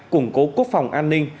củng cố quốc phòng an ninh